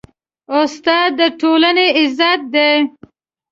استاد د ټولنې عزت دی.